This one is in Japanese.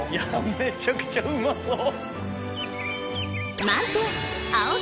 めちゃくちゃうまそう！